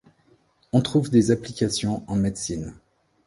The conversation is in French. On trouve des applications en médecine.